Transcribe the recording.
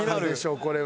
これは。